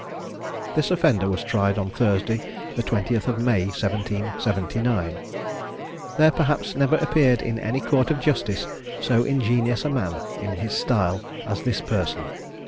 This offender was tried on Thursday, the 20th of May, 1779. There perhaps never appeared in any court of justice so ingenious a man in his style as this person.